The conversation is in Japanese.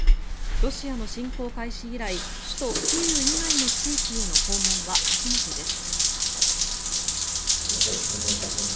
ロシアの侵攻開始以来首都キーウ以外の地域への訪問は初めてです。